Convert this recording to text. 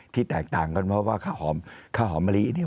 ที่แตกต่างกันเพราะว่าข้าวหอมะลิเนี่ย